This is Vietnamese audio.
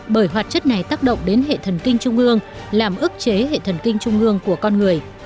bởi hoạt chất này tác động đến hệ thần kinh trung ương làm ước chế hệ thần kinh trung ương của con người